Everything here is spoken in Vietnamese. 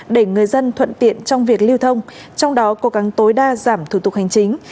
để người dân thuận tiện trong việc lưu thông trong đó cố gắng tối đa giảm thủ tục hành chính